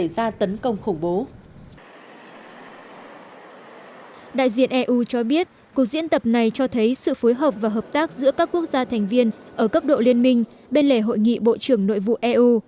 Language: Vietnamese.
đại diện eu cho biết cuộc diễn tập này cho thấy sự phối hợp và hợp tác giữa các quốc gia thành viên ở cấp độ liên minh bên lề hội nghị bộ trưởng nội vụ eu